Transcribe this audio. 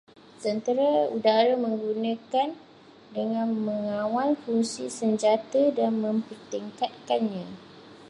Tentera udara menggunakan dengan mengawal fungsi senjata dan mempertingkatkannya